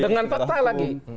dengan fakta lagi